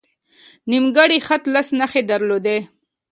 نیمګړی خط لس نښې درلودې.